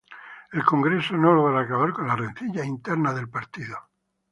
El congreso no logró acabar con las rencillas internas del partido.